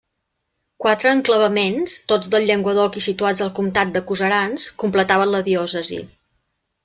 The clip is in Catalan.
Quatre enclavaments, tots del Llenguadoc i situats al comtat de Coserans, completaven la diòcesi.